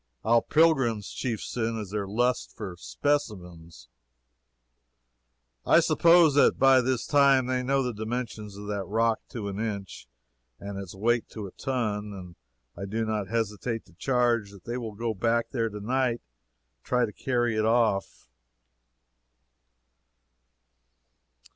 Our pilgrims' chief sin is their lust for "specimens." I suppose that by this time they know the dimensions of that rock to an inch, and its weight to a ton; and I do not hesitate to charge that they will go back there to night and try to carry it off.